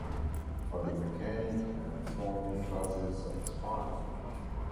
Are the mechanic and farming classes satisfied?